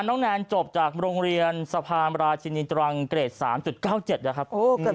แนนจบจากโรงเรียนสะพานราชินีตรังเกรด๓๙๗นะครับ